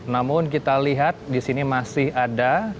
namun kita lihat disini masih ada